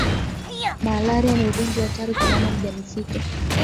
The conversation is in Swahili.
malaria ni ugonjwa hatari kwa mama mjamzito